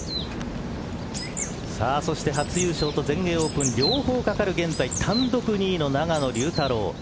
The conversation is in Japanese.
そして初優勝と全英オープン両方かかる現在単独２位の永野竜太郎。